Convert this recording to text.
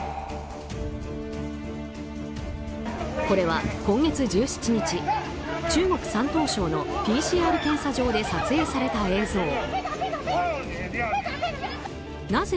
これは今月１７日中国・山東省のＰＣＲ検査場で撮影された映像。